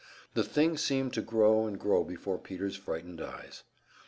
The thing seemed to grow and grow before Peter's frightened eyes.